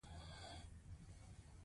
_ځينې نورې خبرې هم شته.